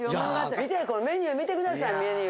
見てこのメニュー見てくださいメニュー。